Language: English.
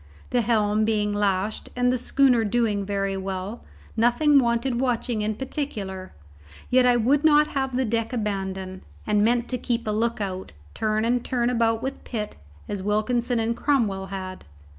The helm being lashed, and the schooner doing very well, nothing wanted watching in particular, yet I would not have the deck abandoned, and meant to keep a look out, turn and turn about with Pitt, as Wilkinson and Cromwell had.